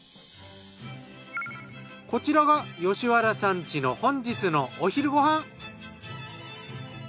こちらが吉原さん家の本日のお昼ご飯。